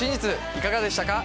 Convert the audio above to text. いかがでしたか？